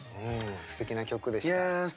すてきな曲でした。